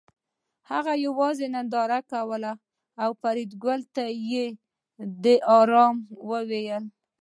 هغه یوازې ننداره کوله او فریدګل ته یې د ارامۍ وویل